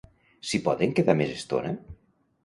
S'hi poden quedar més estona?